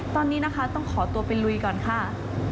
ตอนนี้นะคะต้องขอตัวไปลุยก่อนค่ะ